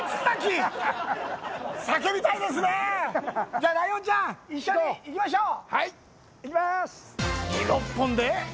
じゃあ、ライオンちゃん一緒に行きましょう！